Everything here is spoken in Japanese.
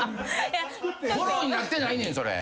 フォローになってないねんそれ。